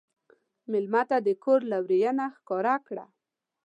مېلمه ته د کور لورینه ښکاره کړه.